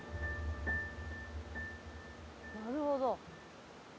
「なるほど」